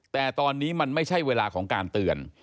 แต่ตอนนี้มันไม่ใช่เวลาของการเตือน